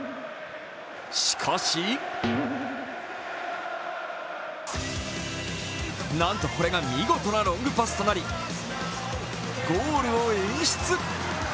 しかしなんと、これが見事なロングパスとなり、ゴールを演出。